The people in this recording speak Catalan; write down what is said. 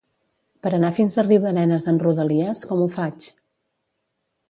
Per anar fins a Riudarenes amb Rodalies, com ho faig?